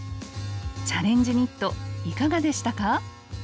「チャレンジニット」いかがでしたか？